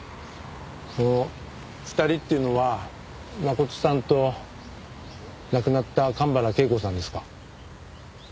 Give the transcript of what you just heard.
その２人っていうのは真琴さんと亡くなった神原恵子さんですか？